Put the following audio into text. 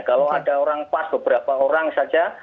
kalau ada orang pas beberapa orang saja